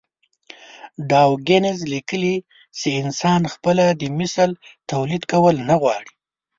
ډاوکېنز ليکلي چې انسان خپله د مثل توليد کول نه غواړي.